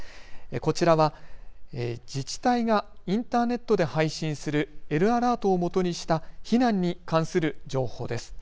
こちらは自治体がインターネットで配信するＬアラートをもとにした避難に関する情報です。